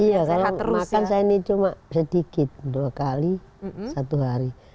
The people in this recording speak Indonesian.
iya saya makan saya ini cuma sedikit dua kali satu hari